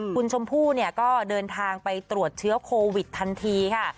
คุณชมพู่เนี่ยก็เดินทางไปตรวจเชื้อโควิดทันทีค่ะ